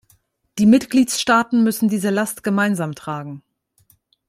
Die Mitgliedstaaten müssen diese Last gemeinsam tragen.